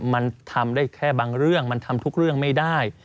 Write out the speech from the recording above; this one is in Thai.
มันทำได้แค่บางเรื่องมันทำทุกเรื่องไม่ได้